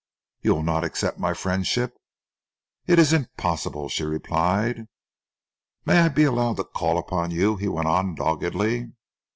"You will not accept my friendship?" "It is impossible," she replied. "May I be allowed to call upon you?" he went on, doggedly.